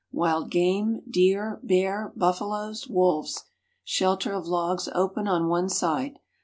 Wild game, deer, bear, buffaloes, wolves. Shelter of logs open on one side.